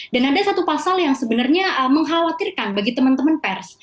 dan ada satu pasal yang sebenarnya mengkhawatirkan bagi teman teman pers